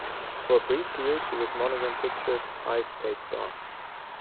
For a brief period she was Monogram Pictures' highest-paid star.